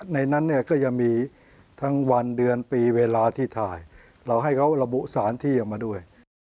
ในนั้นเนี่ยก็ยังมีทั้งวันเดือนปีเวลาที่ถ่ายเราให้เขาระบุสารที่ออกมาด้วย